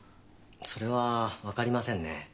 それは分かりませんね。